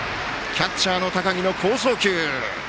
キャッチャーの高木の好送球。